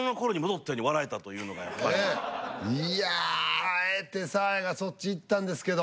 いやあえてサーヤがそっちいったんですけど。